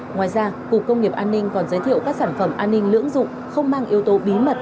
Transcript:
ngoài ra cục công nghiệp an ninh còn giới thiệu các sản phẩm an ninh lưỡng dụng không mang yếu tố bí mật